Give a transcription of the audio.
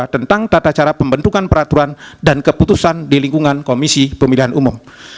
tentang tata cara pembentukan peraturan dan keputusan di lingkungan komisi pemilihan umum